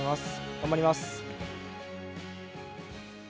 頑張ります。